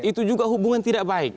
itu juga hubungan tidak baik